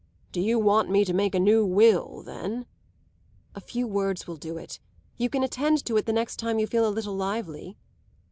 "Do you want me to make a new will then?" "A few words will do it; you can attend to it the next time you feel a little lively."